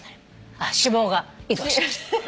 あっ脂肪が移動しました。